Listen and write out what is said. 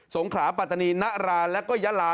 งขลาปัตตานีนราแล้วก็ยาลา